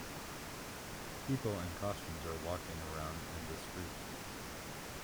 People in costumes are walking around in the street.